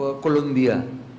sampai ke colombia